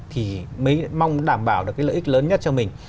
thì mới mong đảm bảo được cái lợi ích lớn nhất cho mình